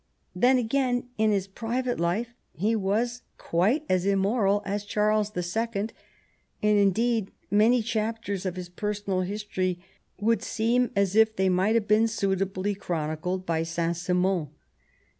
Then, again, in his private life he was quite as immoral as Charles the Second, and indeed many chapters of his personal history would seem as if they might have been suitably chronicled by Saint Simon.